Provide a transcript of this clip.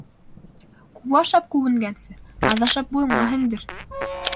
Күп ашап күбенгәнсе, аҙ ашап буйыңа һеңдер.